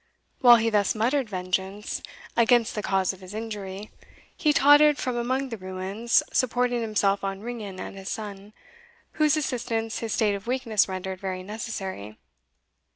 While he thus muttered vengeance against the cause of his injury, he tottered from among the ruins, supporting himself on Ringan and his son, whose assistance his state of weakness rendered very necessary.